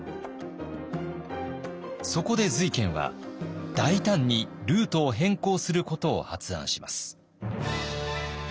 そこで瑞賢は大胆にルートを変更することを発案します。